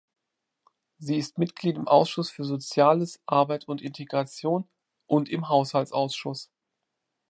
Sie ist Mitglied im Ausschuss für Soziales, Arbeit und Integration und im Haushaltsausschuss.